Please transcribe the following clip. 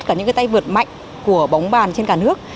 có cả những cây vợt mạnh của bóng bàn trên cả nước